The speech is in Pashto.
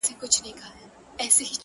• تاله کوم ځایه راوړي دا کیسې دي -